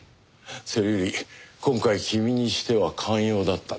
それより今回君にしては寛容だったねえ。